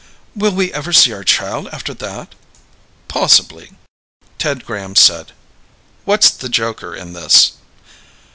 "Will we ever see our child after that?" "Possibly." Ted Graham said, "What's the joker in this?"